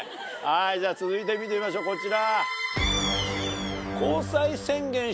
じゃ続いて見てみましょうこちら。